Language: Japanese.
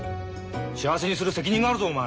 幸せにする責任があるぞお前！